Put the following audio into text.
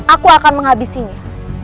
aku akan menghabisinya